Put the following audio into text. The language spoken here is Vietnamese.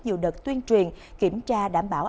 nhiều đợt tuyên truyền kiểm tra đảm bảo